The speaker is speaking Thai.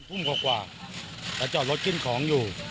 ในพุ่มขอบขวาแต่จอดรถกินของอยู่